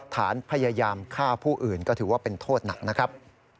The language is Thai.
ฐานพยายามฆ่าผู้อื่นก็ถือว่าเป็นโทษหนักนะครับ